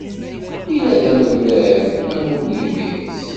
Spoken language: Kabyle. Yella d amellal am unegmirs.